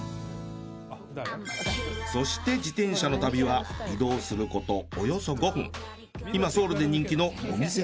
そして自転車の旅は移動することおよそ５分。